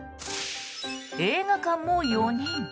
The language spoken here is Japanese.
映画館も４人。